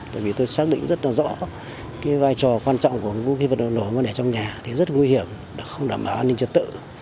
tại vì tôi xác định rất là rõ cái vai trò quan trọng của vũ khí vật liệu nổ mà để trong nhà thì rất là nguy hiểm không đảm bảo an ninh trật tự